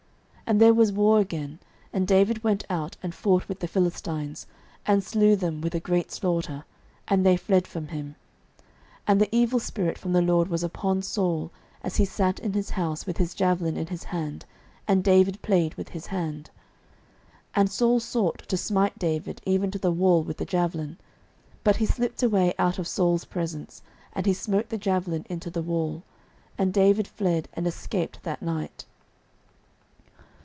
09:019:008 And there was war again: and David went out, and fought with the Philistines, and slew them with a great slaughter; and they fled from him. 09:019:009 And the evil spirit from the LORD was upon Saul, as he sat in his house with his javelin in his hand: and David played with his hand. 09:019:010 And Saul sought to smite David even to the wall with the javelin: but he slipped away out of Saul's presence, and he smote the javelin into the wall: and David fled, and escaped that night.